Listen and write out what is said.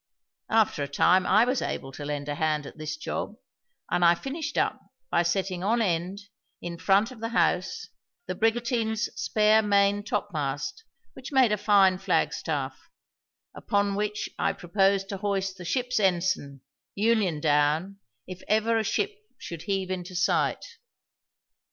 After a time I was able to lend a hand at this job; and I finished up by setting on end, in front of the house, the brigantine's spare main topmast, which made a fine flagstaff, upon which I proposed to hoist the ship's ensign, union down, if ever a ship should heave in sight.